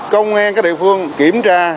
công an các địa phương kiểm tra